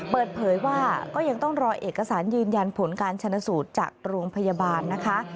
เปิดเผยว่าก็ยังต้องรอเอกสารยืนยันผลการชนะสูตรจากโรงพยาบาลนะคะ